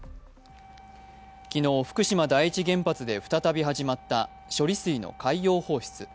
昨日、福島第一原発で再び始まった処理水の海洋放出。